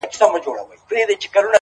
• وس پردی وو د خانانو ملکانو,